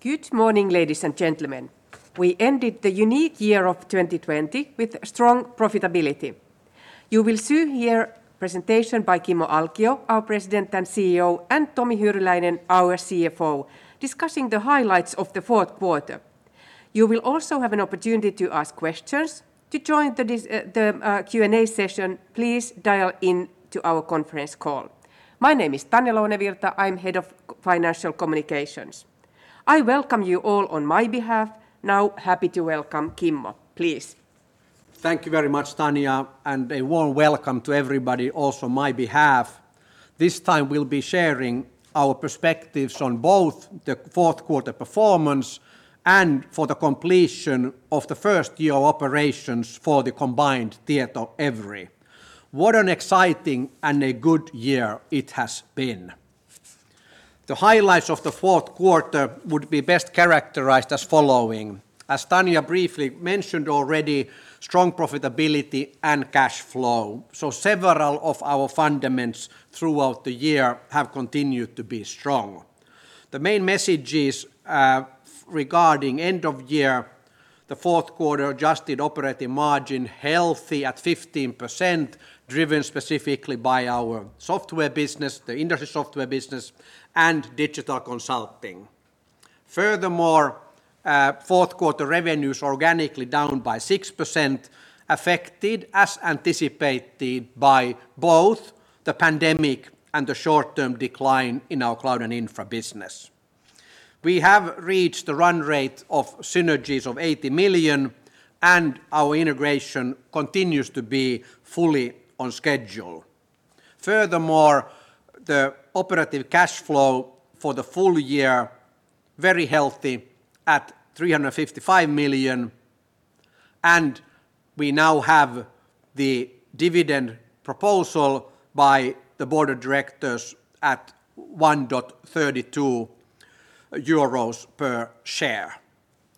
Good morning, ladies and gentlemen. We ended the unique year of 2020 with strong profitability. You will soon hear a presentation by Kimmo Alkio, our President and CEO, and Tomi Hyryläinen, our CFO, discussing the highlights of the fourth quarter. You will also have an opportunity to ask questions. To join the Q&A session, please dial in to our conference call. My name is Tanja Lounevirta. I'm Head of Financial Communications. I welcome you all on my behalf. Happy to welcome Kimmo, please. Thank you very much, Tanja, and a warm welcome to everybody also on my behalf. This time we'll be sharing our perspectives on both the fourth quarter performance and for the completion of the first-year operations for the combined Tietoevry. What an exciting and a good year it has been. The highlights of the fourth quarter would be best characterized as following. As Tanja briefly mentioned already, strong profitability and cash flow. Several of our fundamentals throughout the year have continued to be strong. The main messages regarding end of year, the fourth quarter adjusted operating margin healthy at 15%, driven specifically by our software business, the industry software business, and Digital Consulting. Furthermore, fourth-quarter revenues organically down by 6%, affected as anticipated by both the pandemic and the short-term decline in our cloud and infra business. We have reached the run rate of synergies of 80 million, our integration continues to be fully on schedule. Furthermore, the operative cash flow for the full year, very healthy at 355 million, we now have the dividend proposal by the board of directors at 1.32 euros per share.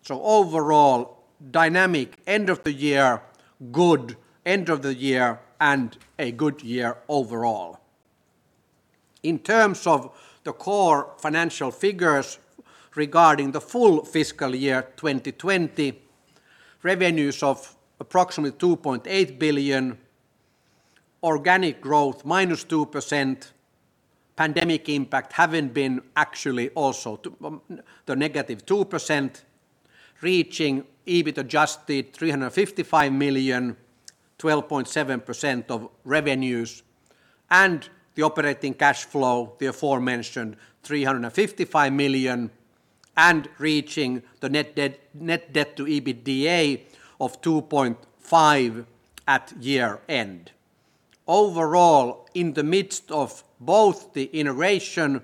Overall dynamic end of the year, good end of the year and a good year overall. In terms of the core financial figures regarding the full fiscal year 2020, revenues of approximately 2.8 billion, organic growth -2%, pandemic impact having been actually also the -2%, reaching EBIT adjusted 355 million, 12.7% of revenues, the operating cash flow, the aforementioned 355 million, reaching the net debt to EBITDA of 2.5 at year-end. Overall, in the midst of both the integration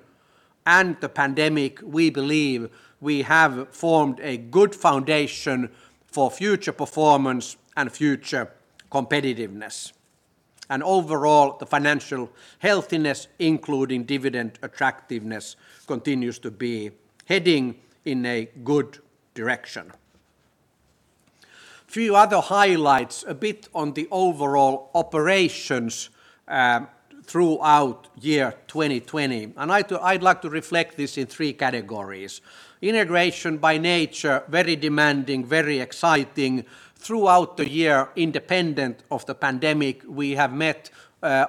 and the pandemic, we believe we have formed a good foundation for future performance and future competitiveness. Overall, the financial healthiness, including dividend attractiveness, continues to be heading in a good direction. Few other highlights, a bit on the overall operations throughout year 2020. I'd like to reflect this in three categories. Integration by nature, very demanding, very exciting. Throughout the year, independent of the pandemic, we have met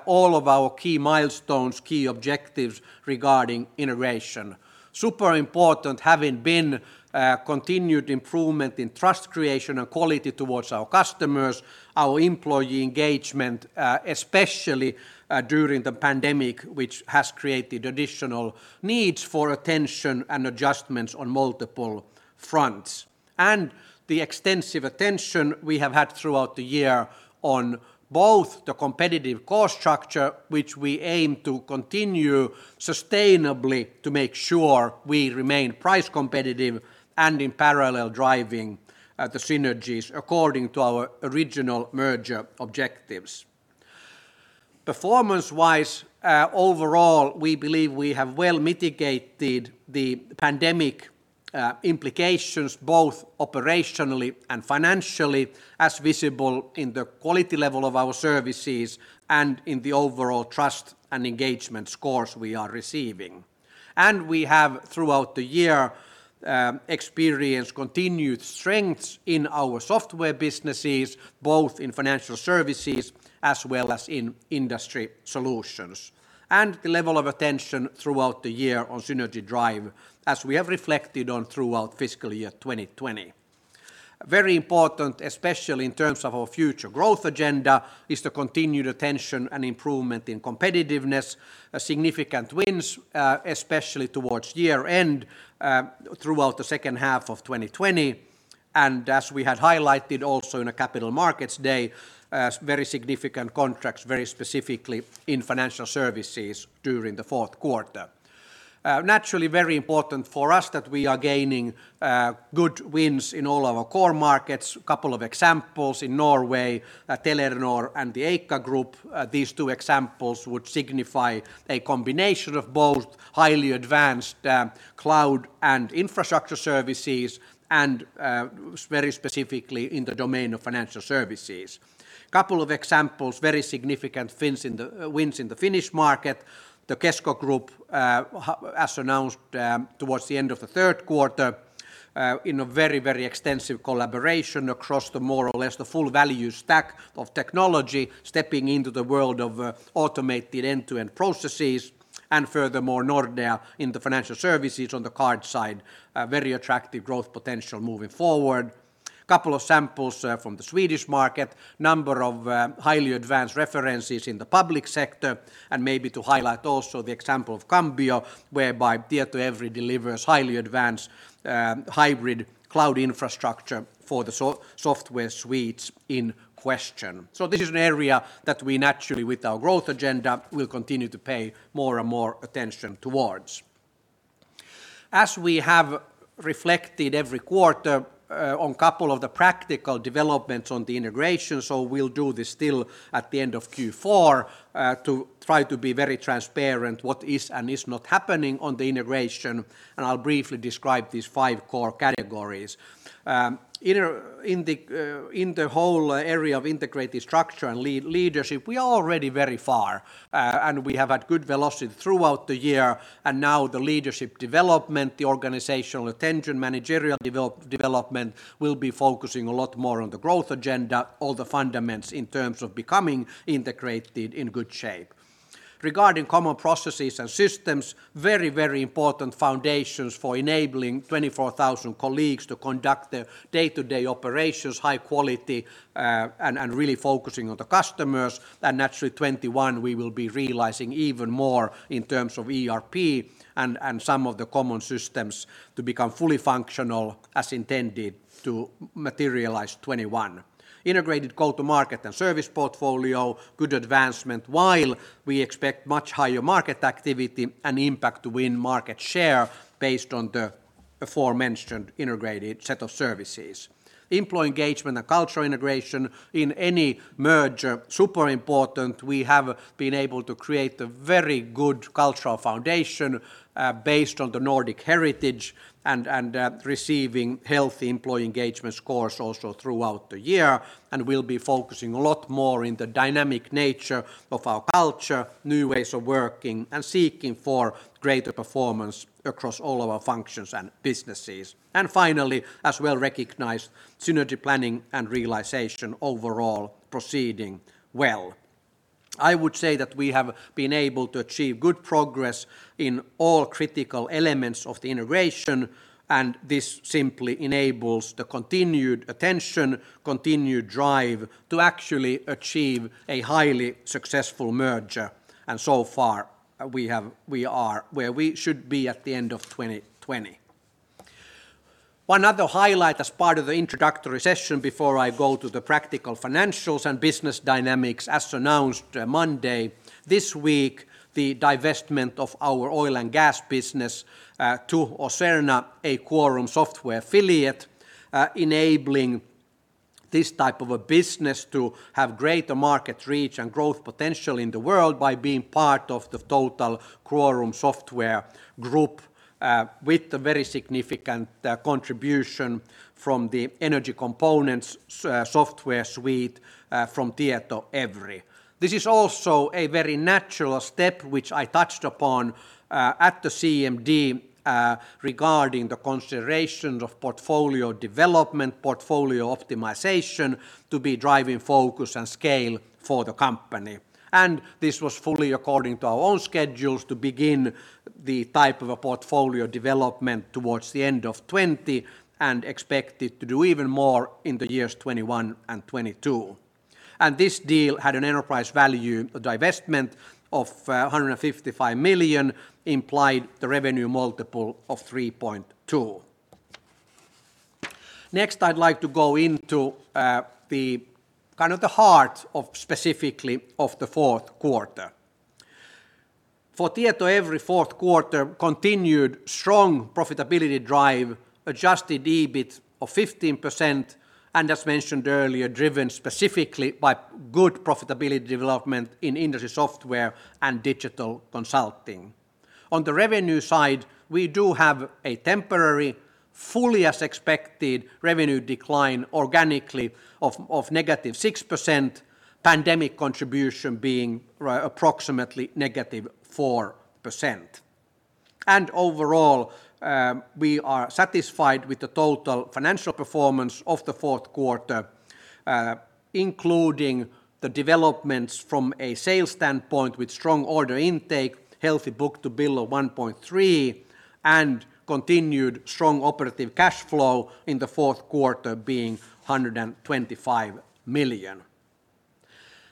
all of our key milestones, key objectives regarding integration. Super important having been continued improvement in trust creation and quality towards our customers, our employee engagement, especially during the pandemic, which has created additional needs for attention and adjustments on multiple fronts. The extensive attention we have had throughout the year on both the competitive cost structure, which we aim to continue sustainably to make sure we remain price competitive and in parallel driving the synergies according to our original merger objectives. Performance-wise, overall, we believe we have well mitigated the pandemic implications, both operationally and financially, as visible in the quality level of our services and in the overall trust and engagement scores we are receiving. We have, throughout the year, experienced continued strengths in our software businesses, both in financial services as well as in industry solutions. The level of attention throughout the year on synergy drive, as we have reflected on throughout fiscal year 2020. Very important, especially in terms of our future growth agenda, is the continued attention and improvement in competitiveness, significant wins, especially towards year-end, throughout the second half of 2020. As we had highlighted also in a Capital Markets Day, very significant contracts very specifically in financial services during the fourth quarter. Naturally very important for us that we are gaining good wins in all our core markets. Couple of examples in Norway, Telenor and the Eika Group. These two examples would signify a combination of both highly advanced cloud and infrastructure services and very specifically in the domain of financial services. Couple of examples, very significant wins in the Finnish market. The Kesko Group, as announced towards the end of the third quarter, in a very extensive collaboration across the more or less the full value stack of technology, stepping into the world of automated end-to-end processes. Furthermore, Nordea in the financial services on the card side, very attractive growth potential moving forward. Couple of samples from the Swedish market, number of highly advanced references in the public sector. Maybe to highlight also the example of Cambio, whereby TietoEVRY delivers highly advanced hybrid cloud infrastructure for the software suites in question. This is an area that we naturally, with our growth agenda, will continue to pay more and more attention towards. As we have reflected every quarter on couple of the practical developments on the integration, we'll do this still at the end of Q4 to try to be very transparent what is and is not happening on the integration. I'll briefly describe these 5 core categories. In the whole area of integrated structure and leadership, we are already very far. We have had good velocity throughout the year. Now the leadership development, the organizational attention, managerial development will be focusing a lot more on the growth agenda, all the fundaments in terms of becoming integrated in good shape. Regarding common processes and systems, very important foundations for enabling 24,000 colleagues to conduct their day-to-day operations, high quality, and really focusing on the customers. Naturally 2021, we will be realizing even more in terms of ERP and some of the common systems to become fully functional as intended to materialize 2021. Integrated go-to-market and service portfolio, good advancement, while we expect much higher market activity and impact to win market share based on the aforementioned integrated set of services. Employee engagement and cultural integration in any merger, super important. We have been able to create a very good cultural foundation based on the Nordic heritage and receiving healthy employee engagement scores also throughout the year. We'll be focusing a lot more in the dynamic nature of our culture, new ways of working, and seeking for greater performance across all of our functions and businesses. Finally, as well recognized, synergy planning and realization overall proceeding well. I would say that we have been able to achieve good progress in all critical elements of the integration, and this simply enables the continued attention, continued drive to actually achieve a highly successful merger. So far we are where we should be at the end of 2020. One other highlight as part of the introductory session before I go to the practical financials and business dynamics as announced Monday. This week, the divestment of our oil and gas business to Aucerna, a Quorum Software affiliate enabling this type of a business to have greater market reach and growth potential in the world by being part of the total Quorum Software Group with the very significant contribution from the energy components software suite from TietoEVRY. This is also a very natural step, which I touched upon at the CMD regarding the considerations of portfolio development, portfolio optimization to be driving focus and scale for the company. This was fully according to our own schedules to begin the type of a portfolio development towards the end of 2020 and expected to do even more in the years 2021 and 2022. This deal had an enterprise value, a divestment of 155 million, implied the revenue multiple of 3.2x. Next, I'd like to go into the kind of the heart of specifically of the fourth quarter. For TietoEVRY fourth quarter continued strong profitability drive, adjusted EBIT of 15%, as mentioned earlier, driven specifically by good profitability development in industry software and Digital Consulting. On the revenue side, we do have a temporary fully as expected revenue decline organically of -6%, pandemic contribution being approximately -4%. Overall, we are satisfied with the total financial performance of the fourth quarter including the developments from a sales standpoint with strong order intake, healthy book-to-bill of 1.3, and continued strong operative cash flow in the fourth quarter being 125 million.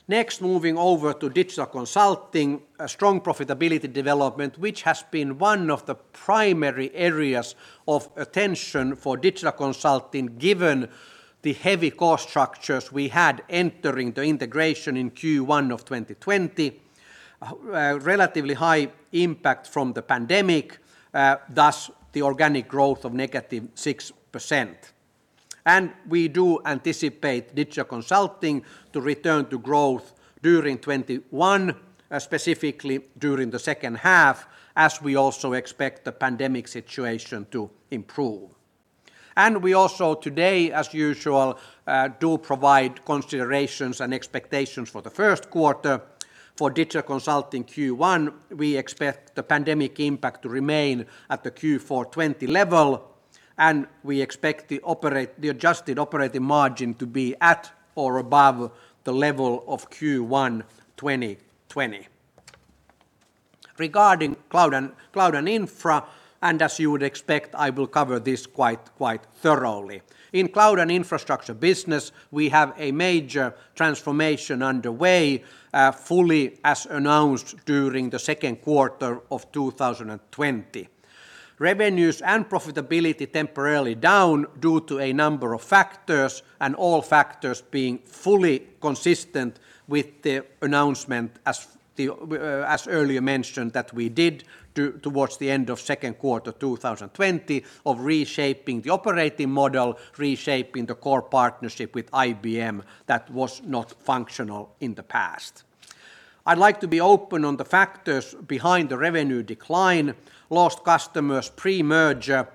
Next, moving over to Digital Consulting, a strong profitability development, which has been one of the primary areas of attention for Digital Consulting given the heavy cost structures we had entering the integration in Q1 of 2020. Relatively high impact from the pandemic, thus the organic growth of -6%. We do anticipate Digital Consulting to return to growth during 2021, specifically during the second half as we also expect the pandemic situation to improve. We also today, as usual, do provide considerations and expectations for the first quarter. For Digital Consulting Q1, we expect the pandemic impact to remain at the Q4 2020 level. We expect the adjusted operating margin to be at or above the level of Q1 2020. Regarding cloud and infra, as you would expect, I will cover this quite thoroughly. In cloud and infrastructure business, we have a major transformation underway fully as announced during the second quarter of 2020. Revenues and profitability temporarily down due to a number of factors. All factors being fully consistent with the announcement, as earlier mentioned, that we did towards the end of second quarter 2020 of reshaping the operating model, reshaping the core partnership with IBM that was not functional in the past. I'd like to be open on the factors behind the revenue decline. Lost customers pre-merger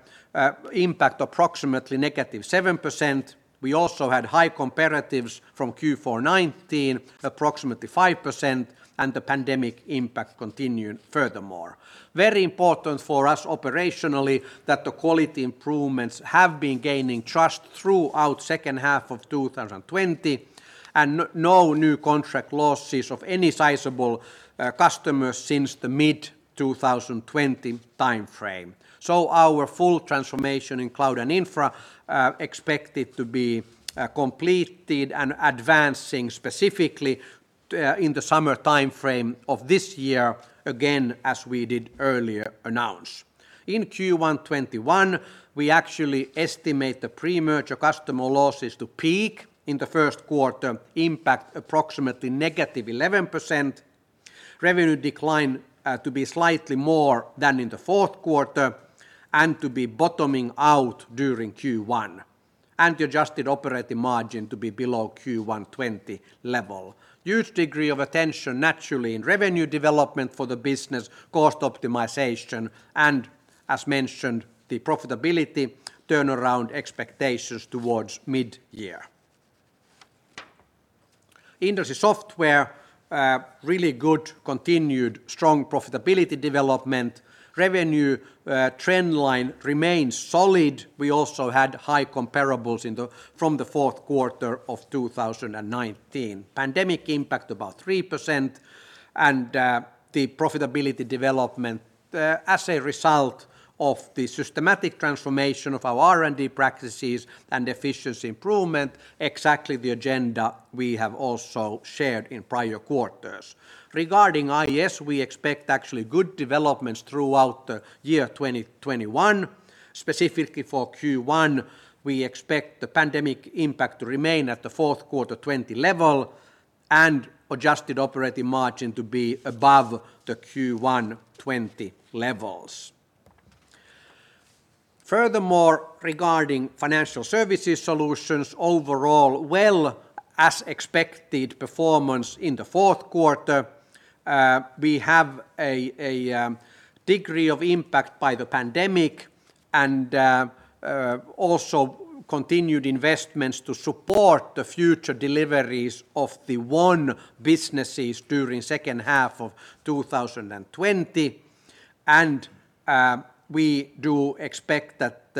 impact approximately -7%. We also had high comparatives from Q4 2019, approximately 5%. The pandemic impact continued furthermore. Very important for us operationally that the quality improvements have been gaining trust throughout second half of 2020. No new contract losses of any sizable customers since the mid-2020 timeframe. Our full transformation in cloud and infra expected to be completed and advancing specifically in the summer timeframe of this year, again, as we did earlier announce. In Q1 2021, we actually estimate the pre-merger customer losses to peak in the first quarter, impact approximately -11%, revenue decline to be slightly more than in the fourth quarter, and to be bottoming out during Q1, and the adjusted operating margin to be below Q1 2020 level. Huge degree of attention naturally in revenue development for the business, cost optimization, and as mentioned, the profitability turnaround expectations towards mid-year. Industry software, really good continued strong profitability development. Revenue trend line remains solid. We also had high comparables from the fourth quarter of 2019. Pandemic impact about 3%, and the profitability development as a result of the systematic transformation of our R&D practices and efficiency improvement, exactly the agenda we have also shared in prior quarters. Regarding IES, we expect actually good developments throughout the year 2021. Specifically for Q1, we expect the pandemic impact to remain at the fourth quarter 2020 level and adjusted operating margin to be above the Q1 2020 levels. Regarding financial services solutions overall, well as expected performance in the fourth quarter. We have a degree of impact by the pandemic and also continued investments to support the future deliveries of the won businesses during second half of 2020. We do expect that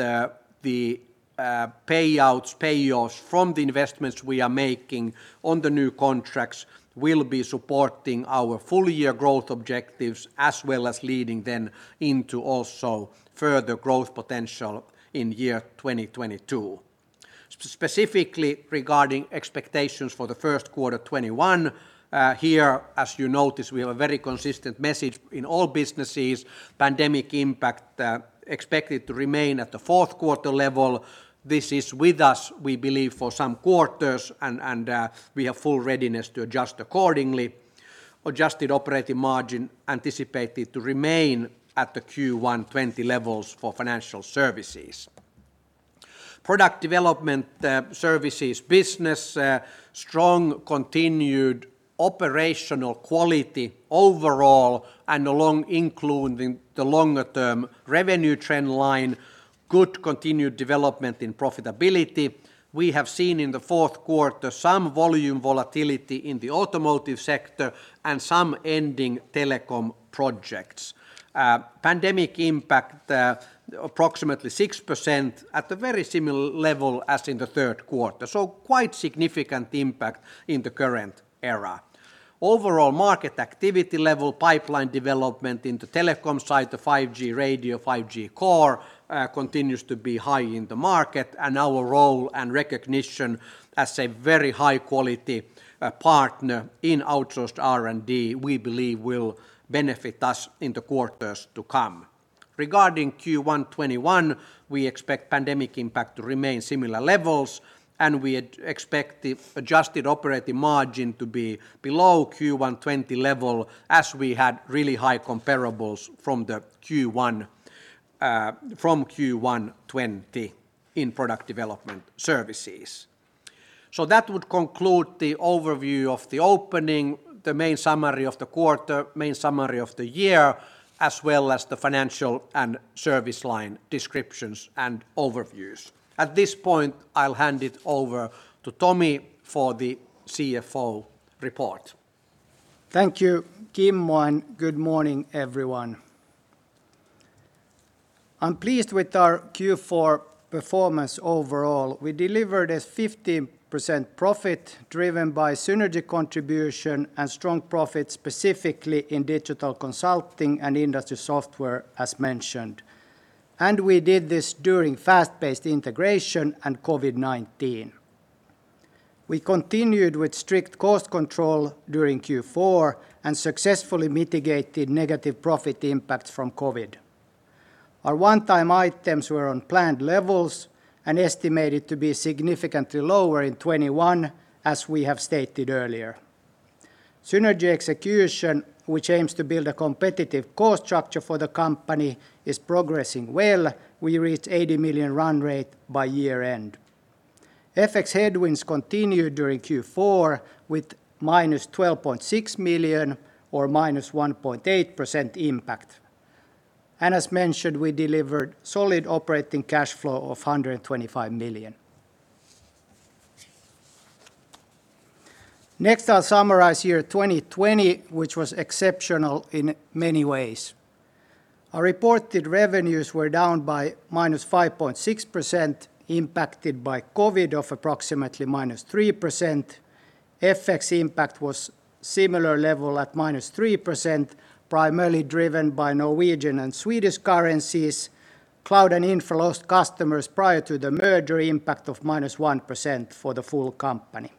the payouts, payoffs from the investments we are making on the new contracts will be supporting our full-year growth objectives as well as leading them into also further growth potential in year 2022. Specifically regarding expectations for the first quarter 2021, here, as you notice, we have a very consistent message in all businesses. Pandemic impact expected to remain at the fourth quarter level. This is with us, we believe, for some quarters, and we have full readiness to adjust accordingly. Adjusted operating margin anticipated to remain at the Q1 2020 levels for financial services. Product development services business strong continued operational quality overall and including the longer-term revenue trend line. Good continued development in profitability. We have seen in the fourth quarter some volume volatility in the automotive sector and some ending telecom projects. Pandemic impact approximately 6% at a very similar level as in the third quarter. Quite significant impact in the current era. Overall market activity level pipeline development in the telecom side, the 5G radio, 5G core continues to be high in the market, and our role and recognition as a very high-quality partner in outsourced R&D, we believe will benefit us in the quarters to come. Regarding Q1 2021, we expect pandemic impact to remain similar levels. We expect the adjusted operating margin to be below Q1 2020 level as we had really high comparables from Q1 2020 in product development services. That would conclude the overview of the opening, the main summary of the quarter, main summary of the year, as well as the financial and service line descriptions and overviews. At this point, I'll hand it over to Tomi for the CFO report. Thank you, Kimmo, and good morning, everyone. I'm pleased with our Q4 performance overall. We delivered a 15% profit driven by synergy contribution and strong profits, specifically in Digital Consulting and industry software, as mentioned. We did this during fast-paced integration and COVID-19. We continued with strict cost control during Q4 and successfully mitigated negative profit impacts from COVID-19. Our one-time items were on planned levels and estimated to be significantly lower in 2021, as we have stated earlier. Synergy execution, which aims to build a competitive cost structure for the company, is progressing well. We reached 80 million run rate by year-end. FX headwinds continued during Q4 with -12.6 million or -1.8% impact. As mentioned, we delivered solid operating cash flow of 125 million. Next, I'll summarize year 2020, which was exceptional in many ways. Our reported revenues were down by -5.6%, impacted by COVID-19 of approximately -3%. FX impact was similar level at -3%, primarily driven by Norwegian and Swedish currencies. Tietoevry Connect lost customers prior to the merger impact of -1% for the full company.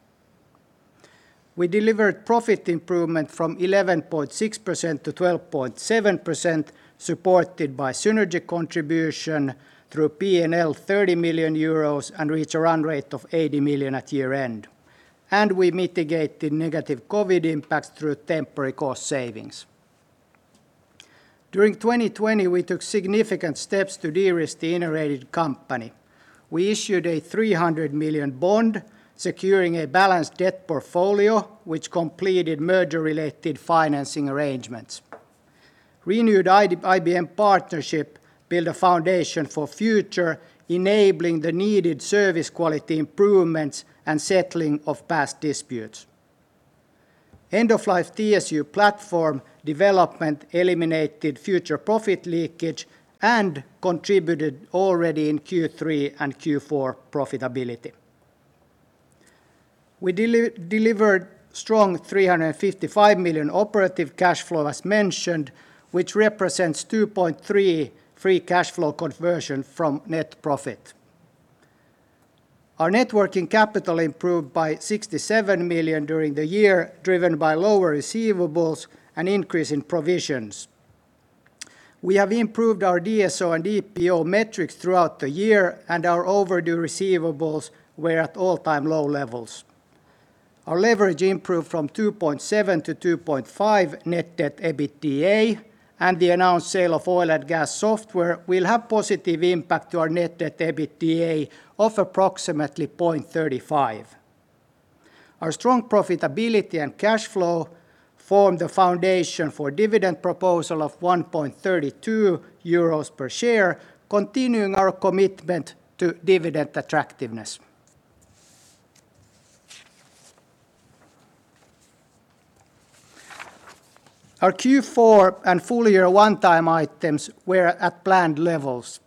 We delivered profit improvement from 11.6%-12.7%, supported by synergy contribution through P&L 30 million euros and reached a run rate of 80 million at year-end. We mitigated negative COVID-19 impacts through temporary cost savings. During 2020, we took significant steps to de-risk the integrated company. We issued a 300 million bond securing a balanced debt portfolio, which completed merger-related financing arrangements. Renewed IBM partnership built a foundation for future, enabling the needed service quality improvements and settling of past disputes. End-of-life TSU platform development eliminated future profit leakage and contributed already in Q3 and Q4 profitability. We delivered strong 355 million operative cash flow as mentioned, which represents 2.3 free cash flow conversion from net profit. Our networking capital improved by 67 million during the year, driven by lower receivables and increase in provisions. We have improved our DSO and DPO metrics throughout the year, and our overdue receivables were at all-time low levels. Our leverage improved from 2.7 to 2.5 net debt EBITDA, and the announced sale of oil and gas software will have positive impact to our net debt EBITDA of approximately 0.35. Our strong profitability and cash flow form the foundation for dividend proposal of 1.32 euros per share, continuing our commitment to dividend attractiveness. Our Q4 and full-year one-time items were at planned levels.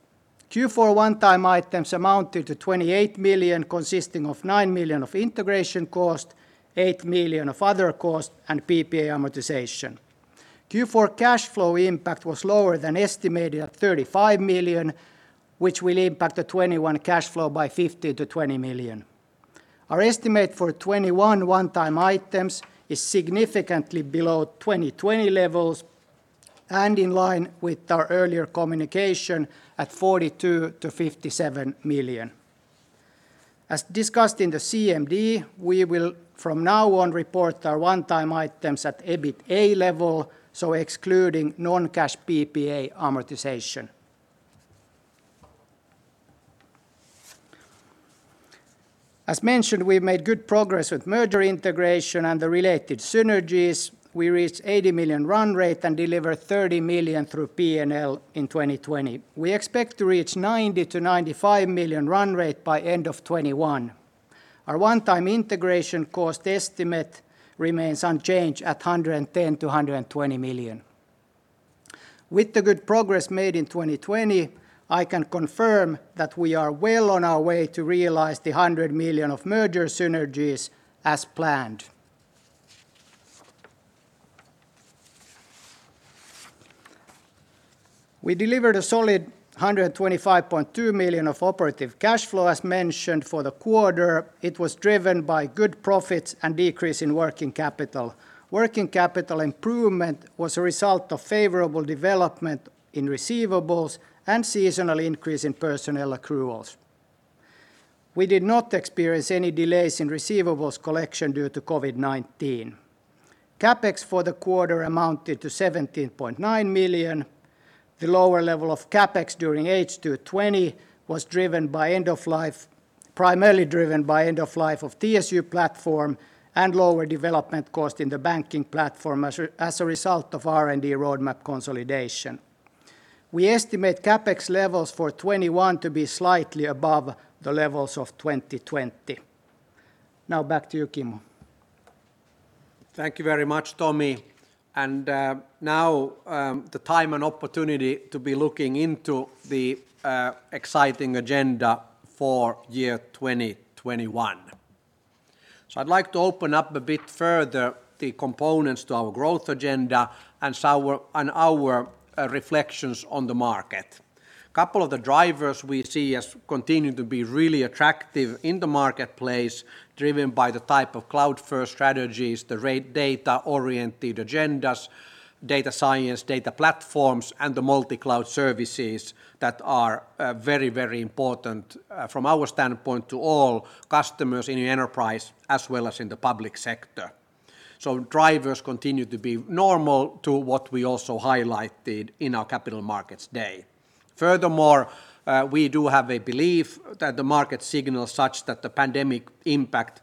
Q4 one-time items amounted to 28 million, consisting of 9 million of integration cost, 8 million of other cost, and PPA amortization. Q4 cash flow impact was lower than estimated at 35 million, which will impact the 2021 cash flow by 15 million-20 million. Our estimate for 2021 one-time items is significantly below 2020 levels and in line with our earlier communication at 42 million-57 million. As discussed in the CMD, we will from now on report our one-time items at EBITA level, so excluding non-cash PPA amortization. As mentioned, we've made good progress with merger integration and the related synergies. We reached 80 million run rate and delivered 30 million through P&L in 2020. We expect to reach 90 million-95 million run rate by end of 2021. Our one-time integration cost estimate remains unchanged at 110 million-120 million. With the good progress made in 2020, I can confirm that we are well on our way to realize the 100 million of merger synergies as planned. We delivered a solid 125.2 million of operative cash flow, as mentioned, for the quarter. It was driven by good profits and decrease in working capital. Working capital improvement was a result of favorable development in receivables and seasonal increase in personnel accruals. We did not experience any delays in receivables collection due to COVID-19. CapEx for the quarter amounted to 17.9 million. The lower level of CapEx during H2 2020 was primarily driven by end-of-life of TSU platform and lower development cost in the banking platform as a result of R&D roadmap consolidation. We estimate CapEx levels for 2021 to be slightly above the levels of 2020. Now back to you, Kimmo. Thank you very much, Tomi. Now the time and opportunity to be looking into the exciting agenda for year 2021. I'd like to open up a bit further the components to our growth agenda and our reflections on the market. Couple of the drivers we see as continuing to be really attractive in the marketplace, driven by the type of cloud-first strategies, the data-oriented agendas, data science, data platforms, and the multi-cloud services that are very, very important from our standpoint to all customers in the enterprise as well as in the public sector. Drivers continue to be normal to what we also highlighted in our Capital Markets Day. Furthermore, we do have a belief that the market signals such that the pandemic impact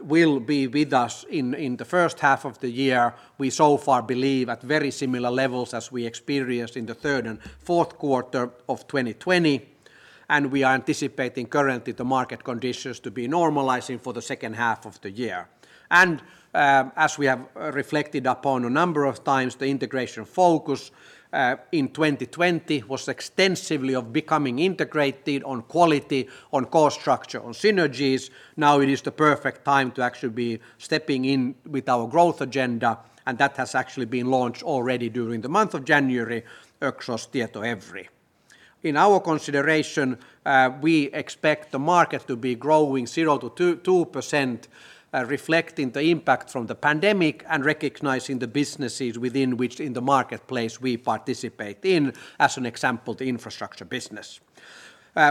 will be with us in the first half of the year. We so far believe at very similar levels as we experienced in the third and fourth quarter of 2020. We are anticipating currently the market conditions to be normalizing for the second half of the year. As we have reflected upon a number of times, the integration focus in 2020 was extensively of becoming integrated on quality, on cost structure, on synergies. Now it is the perfect time to actually be stepping in with our growth agenda. That has actually been launched already during the month of January across Tietoevry. In our consideration, we expect the market to be growing 0%-2%, reflecting the impact from the pandemic and recognizing the businesses within which in the marketplace we participate in, as an example, the infrastructure business.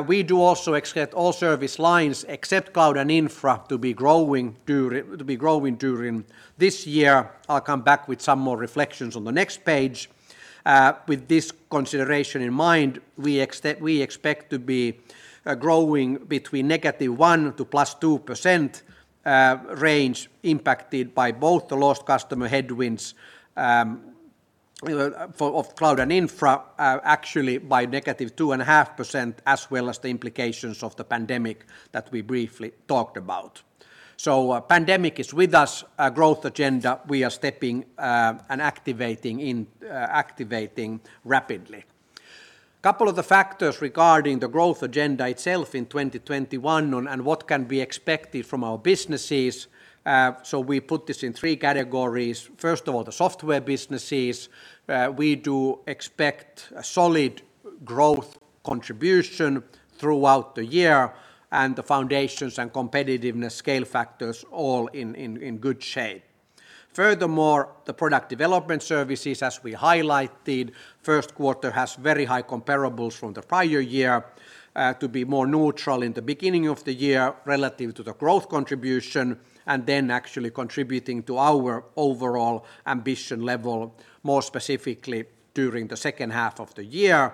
We do also expect all service lines except cloud and infra to be growing during this year. I'll come back with some more reflections on the next page. With this consideration in mind, we expect to be growing between -1% to +2% range impacted by both the lost customer headwinds of cloud and infra actually by -2.5%, as well as the implications of the pandemic that we briefly talked about. Pandemic is with us, our growth agenda we are stepping and activating rapidly. Couple of the factors regarding the growth agenda itself in 2021 on and what can be expected from our businesses. We put this in three categories. First of all, the software businesses. We do expect a solid growth contribution throughout the year and the foundations and competitiveness scale factors all in good shape. Furthermore, the product development services, as we highlighted, first quarter has very high comparables from the prior year to be more neutral in the beginning of the year relative to the growth contribution, and then actually contributing to our overall ambition level, more specifically during the second half of the year.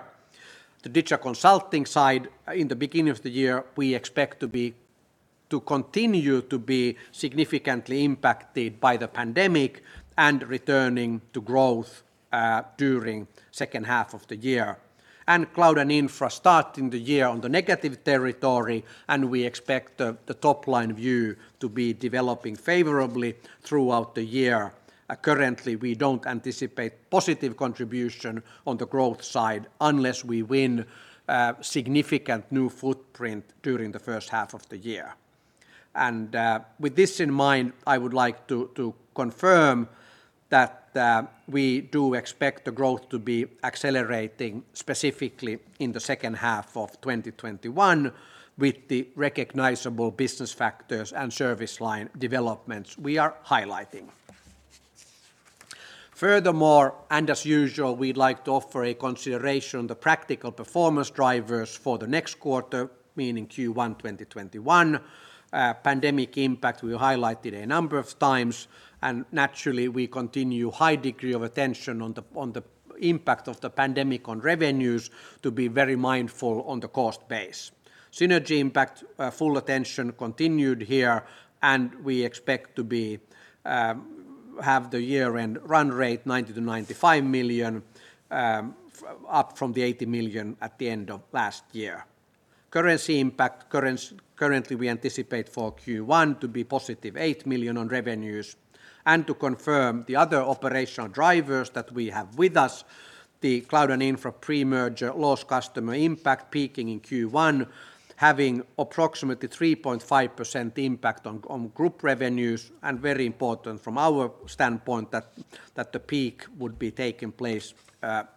The Digital Consulting side in the beginning of the year, we expect to continue to be significantly impacted by the pandemic and returning to growth during second half of the year. Cloud and infra starting the year on the negative territory, and we expect the top-line view to be developing favorably throughout the year. Currently, we don't anticipate positive contribution on the growth side unless we win significant new footprint during the first half of the year. With this in mind, I would like to confirm that we do expect the growth to be accelerating specifically in the second half of 2021 with the recognizable business factors and service line developments we are highlighting. Furthermore, and as usual, we'd like to offer a consideration on the practical performance drivers for the next quarter, meaning Q1 2021. Pandemic impact we highlighted a number of times, and naturally, we continue high degree of attention on the impact of the pandemic on revenues to be very mindful on the cost base. Synergy impact, full attention continued here, and we expect to have the year-end run rate 90 million-95 million, up from the 80 million at the end of last year. Currency impact. Currently, we anticipate for Q1 to be +8 million on revenues to confirm the other operational drivers that we have with us, the cloud and infra pre-merger lost customer impact peaking in Q1, having approximately 3.5% impact on group revenues, very important from our standpoint that the peak would be taking place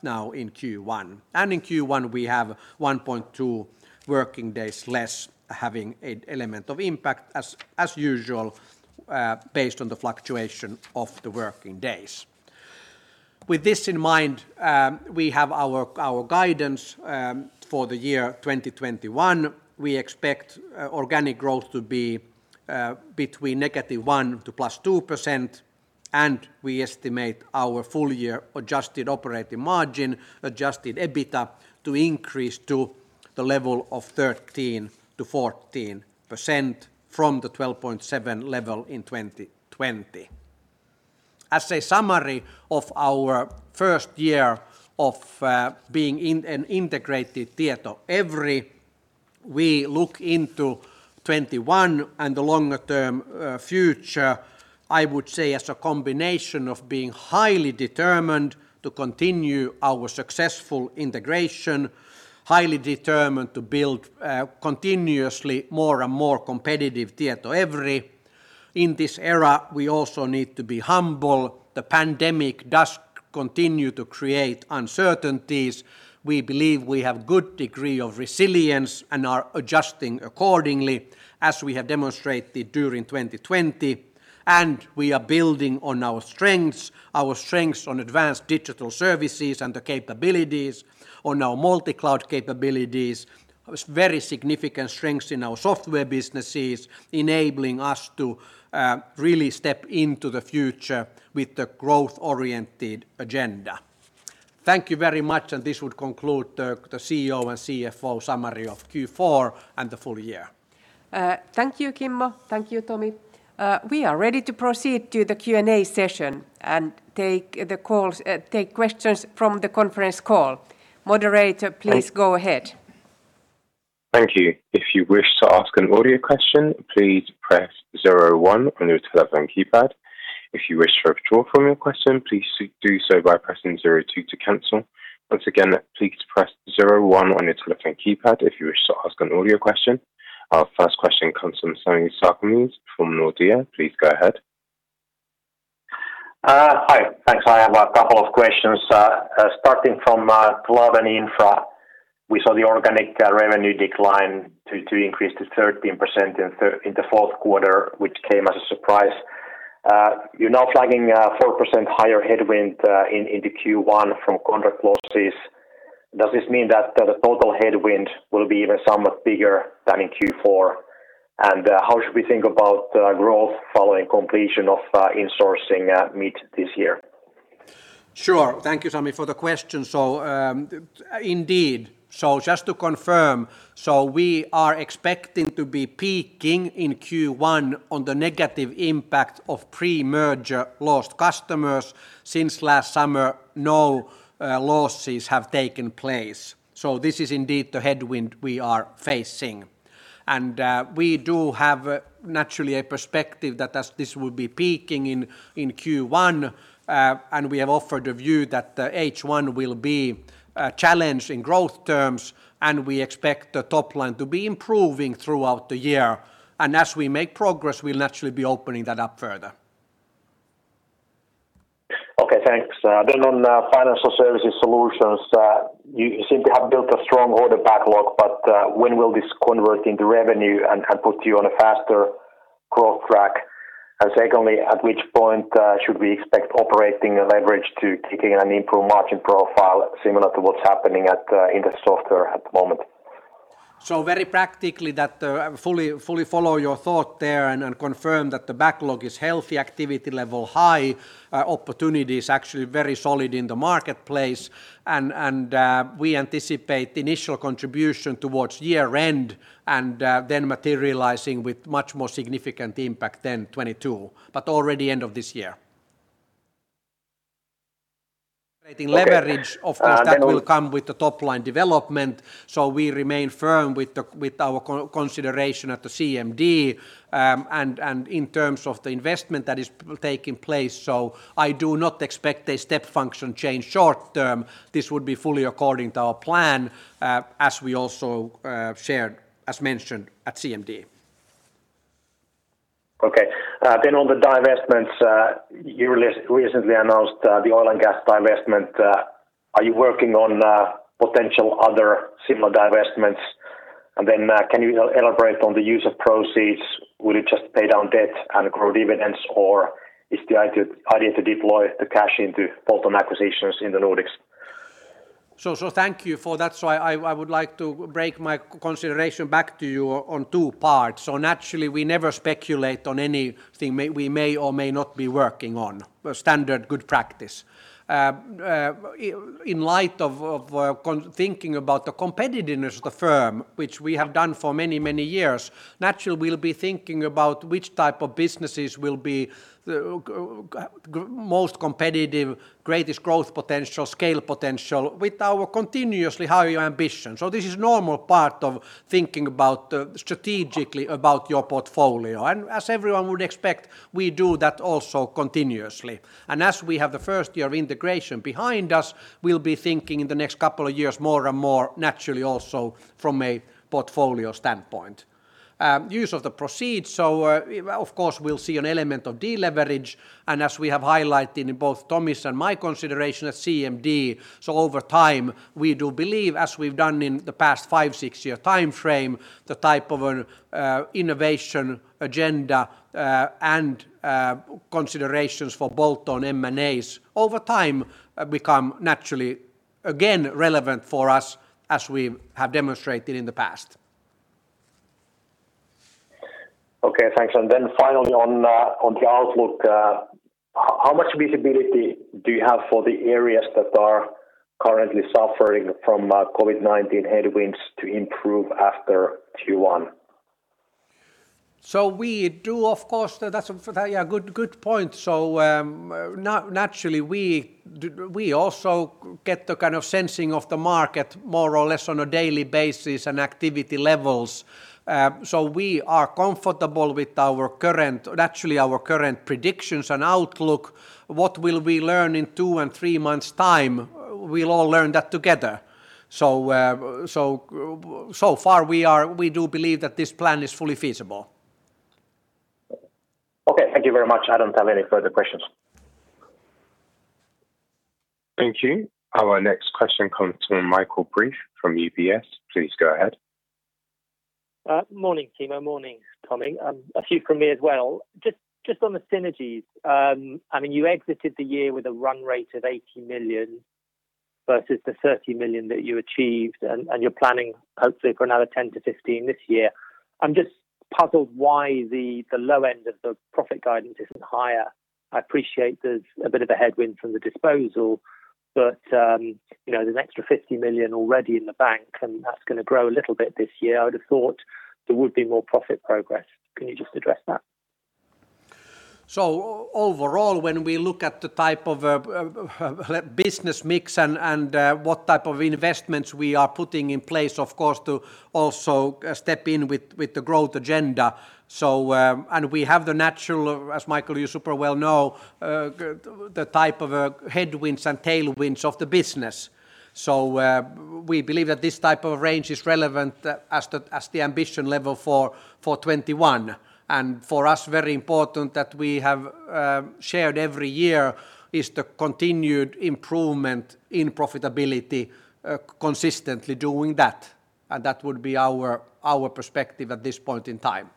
now in Q1. In Q1, we have 1.2 working days less having an element of impact as usual based on the fluctuation of the working days. With this in mind, we have our guidance for the year 2021. We expect organic growth to be between -1% to +2%, and we estimate our full-year adjusted operating margin, adjusted EBITDA, to increase to the level of 13%-14% from the 12.7 level in 2020. As a summary of our first year of being an integrated TietoEVRY, we look into 2021 and the longer-term future, I would say as a combination of being highly determined to continue our successful integration, highly determined to build a continuously more and more competitive TietoEVRY. In this era, we also need to be humble. The pandemic does continue to create uncertainties. We believe we have good degree of resilience and are adjusting accordingly as we have demonstrated during 2020. We are building on our strengths, our strengths on advanced digital services and the capabilities on our multi-cloud capabilities, very significant strengths in our software businesses, enabling us to really step into the future with the growth-oriented agenda. Thank you very much, and this would conclude the CEO and CFO summary of Q4 and the full year. Thank you, Kimmo. Thank you, Tomi. We are ready to proceed to the Q&A session and take questions from the conference call. Moderator, please go ahead. Thank you. If you wish to ask an audio question, please press zero one on your telephone keypad. If you wish to withdraw from your question, please do so by pressing zero two to cancel. Once again, please press zero one on your telephone keypad if you wish to ask an audio question. Our first question comes from Sami Sarkamies from Nordea. Please go ahead. Hi. Thanks. I have a couple of questions starting from Cloud and Infra. We saw the organic revenue decline to increase to 13% in the fourth quarter, which came as a surprise. You're now flagging a 4% higher headwind into Q1 from contract losses. Does this mean that the total headwind will be even somewhat bigger than in Q4? How should we think about growth following completion of insourcing meet this year? Sure. Thank you, Sami, for the question. Indeed. Just to confirm, we are expecting to be peaking in Q1 on the negative impact of pre-merger lost customers. Since last summer, no losses have taken place. This is indeed the headwind we are facing. We do have naturally a perspective that this will be peaking in Q1, and we have offered a view that the H1 will be a challenge in growth terms, and we expect the top line to be improving throughout the year. As we make progress, we'll naturally be opening that up further. Okay, thanks. On Financial Services Solutions, you seem to have built a strong order backlog, but when will this convert into revenue and put you on a faster growth track? Secondly, at which point should we expect operating leverage to kick in an improved margin profile similar to what's happening in the software at the moment? Very practically that fully follow your thought there and confirm that the backlog is healthy, activity level high, opportunity is actually very solid in the marketplace, and we anticipate initial contribution towards year-end and then materializing with much more significant impact than 2022, but already end of this year. Okay. Leverage of this will come with the top-line development. We remain firm with our consideration at the CMD and in terms of the investment that is taking place. I do not expect a step function change short-term. This would be fully according to our plan as we also shared as mentioned at CMD. Okay. On the divestments, you recently announced the oil and gas divestment. Are you working on potential other similar divestments? Can you elaborate on the use of proceeds? Will it just pay down debt and grow dividends, or is the idea to deploy the cash into bolt-on acquisitions in the Nordics? Thank you for that. I would like to break my consideration back to you on two parts. Naturally, we never speculate on anything we may or may not be working on. Standard good practice. In light of thinking about the competitiveness of the firm, which we have done for many, many years, naturally, we'll be thinking about which type of businesses will be most competitive, greatest growth potential, scale potential with our continuously higher ambition. This is normal part of thinking strategically about your portfolio. As everyone would expect, we do that also continuously. As we have the first year of integration behind us, we'll be thinking in the next couple of years more and more naturally also from a portfolio standpoint. Use of the proceeds, so of course, we'll see an element of deleverage, and as we have highlighted in both Tomi's and my consideration at CMD, so over time, we do believe, as we've done in the past five, six-year timeframe, the type of innovation agenda and considerations for bolt-on M&As over time become naturally again relevant for us as we have demonstrated in the past. Okay, thanks. Finally on the outlook, how much visibility do you have for the areas that are currently suffering from COVID-19 headwinds to improve after Q1? That's a good point. Naturally, we also get the kind of sensing of the market more or less on a daily basis and activity levels. We are comfortable with our current predictions and outlook. What will we learn in two and three months' time? We'll all learn that together. So far, we do believe that this plan is fully feasible. Okay. Thank you very much. I don't have any further questions. Thank you. Our next question comes from Michael Briest from UBS. Please go ahead. Morning, Kimmo. Morning, Tomi. A few from me as well, just on the synergies. You exited the year with a run rate of 80 million versus the 30 million that you achieved, and you're planning hopefully for another 10-15 this year. I'm just puzzled why the low end of the profit guidance isn't higher. I appreciate there's a bit of a headwind from the disposal, but there's an extra 50 million already in the bank, and that's going to grow a little bit this year. I would have thought there would be more profit progress. Can you just address that? Overall, when we look at the type of business mix and what type of investments we are putting in place, of course, to also step in with the growth agenda. We have the natural, as Michael, you super well know, the type of headwinds and tailwinds of the business. We believe that this type of range is relevant as the ambition level for 2021. For us, very important that we have shared every year is the continued improvement in profitability, consistently doing that, and that would be our perspective at this point in time.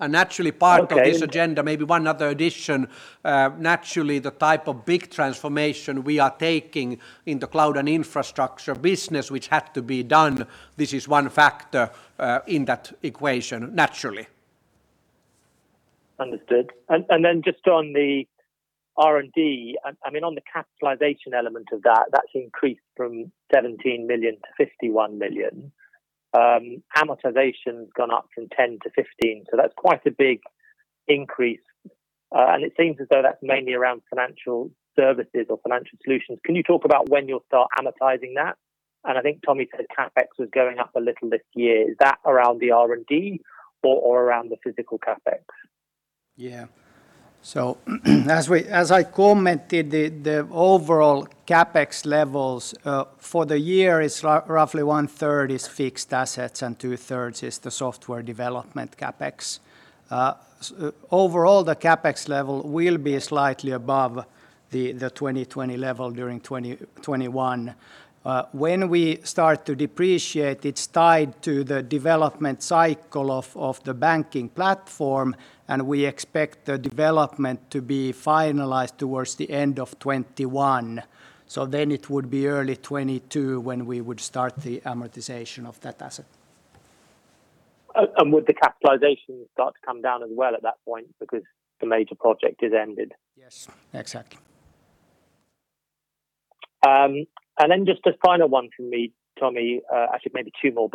Naturally part of this agenda. Okay Maybe one other addition. Naturally, the type of big transformation we are taking in the cloud and infrastructure business, which had to be done, this is one factor in that equation, naturally. Understood. Just on the R&D. On the capitalization element of that's increased from 17 million to 51 million. Amortization's gone up from 10 million-15 million, that's quite a big increase. It seems as though that's mainly around financial services or financial solutions. Can you talk about when you'll start amortizing that? I think Tomi said CapEx was going up a little this year. Is that around the R&D or around the physical CapEx? Yeah. As I commented, the overall CapEx levels for the year is roughly one-third is fixed assets and two-thirds is the software development CapEx. Overall, the CapEx level will be slightly above the 2020 level during 2021. When we start to depreciate, it's tied to the development cycle of the banking platform, and we expect the development to be finalized towards the end of 2021. It would be early 2022 when we would start the amortization of that asset. Would the CapEx start to come down as well at that point because the major project is ended? Yes, exactly. Just a final one from me, Tomi. Actually, maybe two more.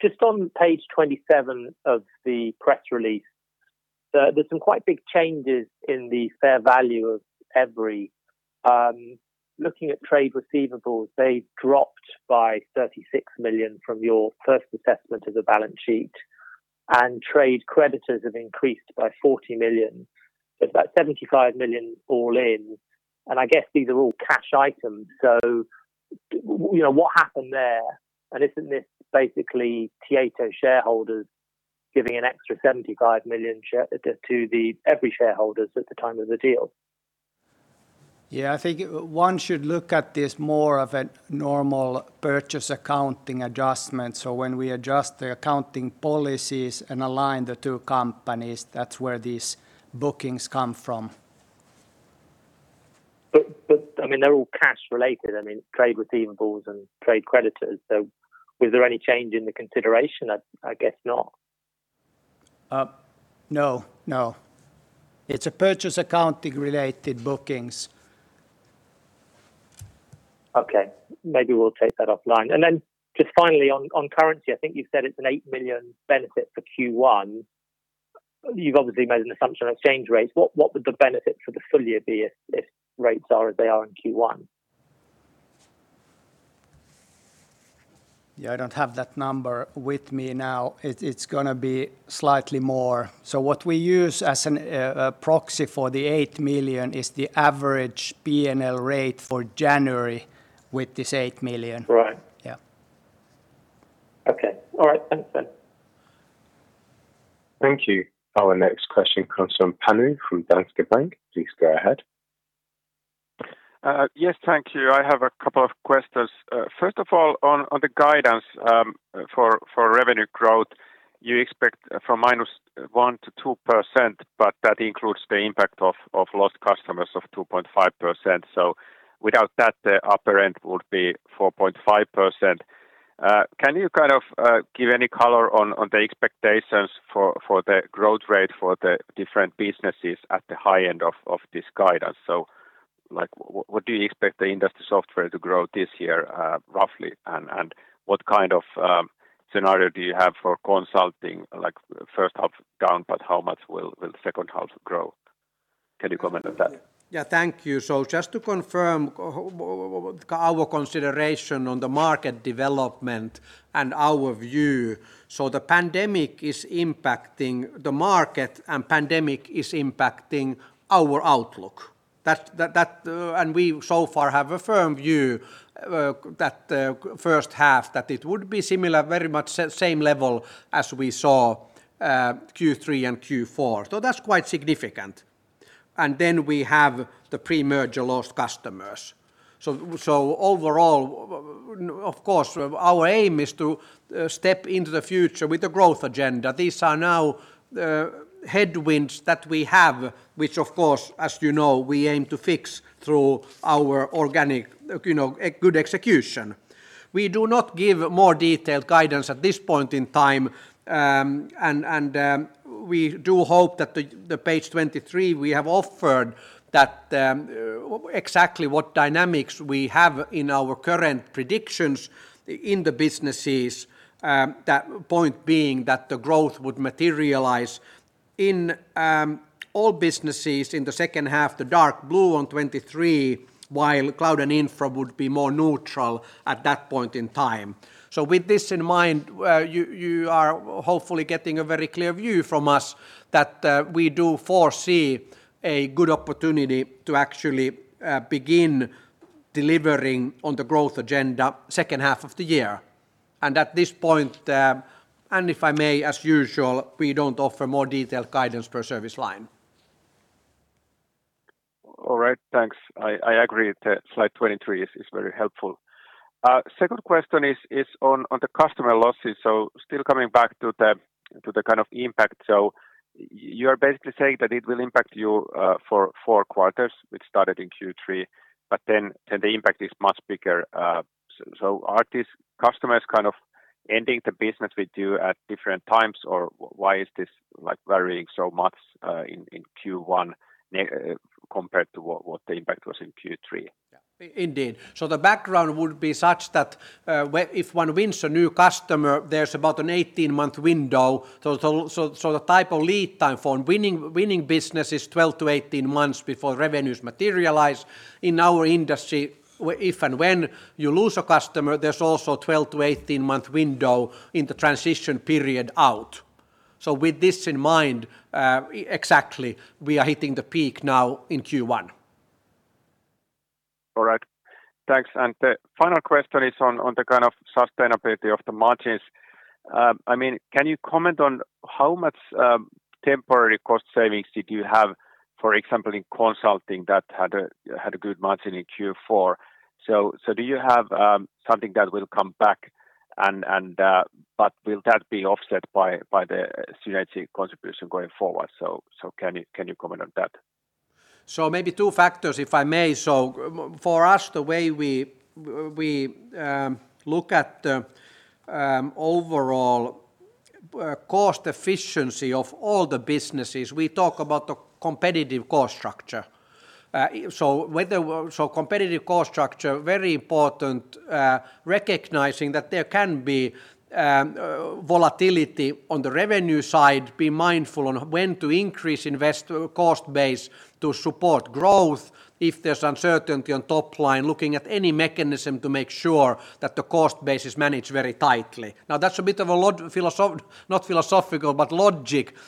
Just on page 27 of the press release, there's some quite big changes in the fair value of EVRY. Looking at trade receivables, they dropped by 36 million from your first assessment of the balance sheet, and trade creditors have increased by 40 million. That's about 75 million all in, and I guess these are all cash items. What happened there? Isn't this basically Tieto shareholders giving an extra 75 million to the EVRY shareholders at the time of the deal? Yeah. I think one should look at this more of a normal purchase accounting adjustment. When we adjust the accounting policies and align the two companies, that's where these bookings come from. They're all cash related. Trade receivables and trade creditors. Was there any change in the consideration? I guess not. No. It's a purchase accounting related bookings. Okay. Maybe we'll take that offline. Just finally on currency, I think you said it's an 8 million benefit for Q1. You've obviously made an assumption on exchange rates. What would the benefit for the full year be if rates are as they are in Q1? Yeah, I don't have that number with me now. It's going to be slightly more. What we use as a proxy for the 8 million is the average P&L rate for January with this 8 million. Right. Yeah. Okay. All right. Thanks, then. Thank you. Our next question comes from Panu from Danske Bank. Please go ahead. Yes, thank you. I have a couple of questions. First of all, on the guidance for revenue growth, you expect from -1% to 2%, but that includes the impact of lost customers of 2.5%. Without that, the upper end would be 4.5%. Can you give any color on the expectations for the growth rate for the different businesses at the high end of this guidance? What do you expect the industry software to grow this year roughly, and what kind of scenario do you have for consulting? Like first half down, but how much will the second half grow? Can you comment on that? Thank you. Just to confirm our consideration on the market development and our view. The pandemic is impacting the market and pandemic is impacting our outlook. We so far have a firm view that the first half, that it would be similar, very much same level as we saw Q3 and Q4. That's quite significant. Then we have the pre-merger lost customers. Overall, of course, our aim is to step into the future with the growth agenda. These are now headwinds that we have, which of course, as you know, we aim to fix through our organic good execution. We do not give more detailed guidance at this point in time. We do hope that the page 23, we have offered that exactly what dynamics we have in our current predictions in the businesses. That point being that the growth would materialize in all businesses in the second half, the dark blue on 2023, while cloud and infra would be more neutral at that point in time. With this in mind, you are hopefully getting a very clear view from us that we do foresee a good opportunity to actually begin delivering on the growth agenda second half of the year. At this point, and if I may, as usual, we don't offer more detailed guidance per service line. All right. Thanks. I agree that slide 23 is very helpful. Second question is on the customer losses. Still coming back to the kind of impact. You're basically saying that it will impact you for four quarters, which started in Q3, but then the impact is much bigger. Are these customers kind of ending the business with you at different times, or why is this varying so much in Q1 compared to what the impact was in Q3? Indeed. The background would be such that if one wins a new customer, there's about an 18-month window. The type of lead time for winning business is 12-18 months before revenues materialize in our industry. If and when you lose a customer, there's also 12-18 month window in the transition period out. With this in mind, exactly, we are hitting the peak now in Q1. All right. Thanks. The final question is on the kind of sustainability of the margins. Can you comment on how much temporary cost savings did you have, for example, in consulting that had a good margin in Q4? Do you have something that will come back, but will that be offset by the synergy contribution going forward? Can you comment on that? Maybe two factors, if I may. For us, the way we look at the overall cost efficiency of all the businesses, we talk about the competitive cost structure. Competitive cost structure, very important recognizing that there can be volatility on the revenue side. Be mindful on when to increase investor cost base to support growth if there's uncertainty on top line, looking at any mechanism to make sure that the cost base is managed very tightly. That's a bit of a logic,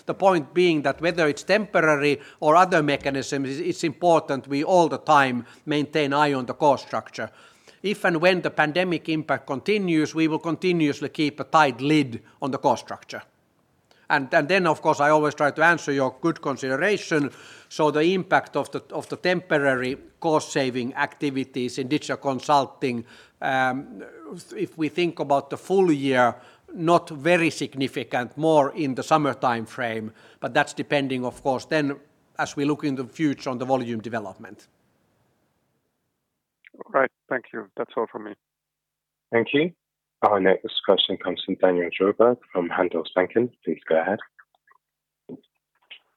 the point being that whether it's temporary or other mechanisms, it's important we all the time maintain eye on the cost structure. If and when the pandemic impact continues, we will continuously keep a tight lid on the cost structure. Of course, I always try to answer your good consideration. The impact of the temporary cost-saving activities in Digital Consulting, if we think about the full year, not very significant, more in the summer timeframe, but that's depending of course then as we look in the future on the volume development. All right. Thank you. That's all from me. Thank you. Our next question comes from Daniel Djurberg from Handelsbanken. Please go ahead.